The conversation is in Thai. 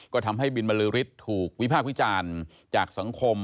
ก็ทำให้บินบรือฤทธิ์ถูกวิพากษ์วิจารณ์จากสังคม